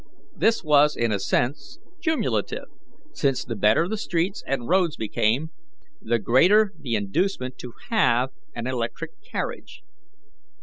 This was in a sense cumulative, since the better the streets and roads became, the greater the inducement to have an electric carriage.